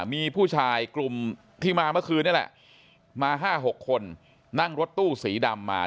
มีผู้ชายกลุ่มที่มาเมื่อคืนนี่แหละมา๕๖คนนั่งรถตู้สีดำมา